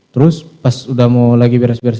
terus pas udah mau lagi beres beres